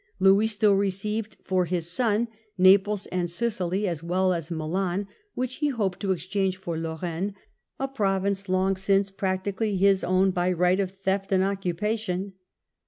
Louis still received for his son Naples and Sicily, as well as Milan, which he hoped to exchange for I^orraine, a province long since practically his own by right of theft and occupation.